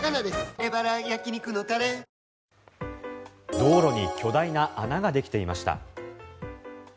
道路に巨大な穴ができていました。